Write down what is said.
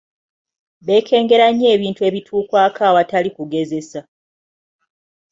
Beekengera nnyo ebintu ebituukwako awatali kugezesa.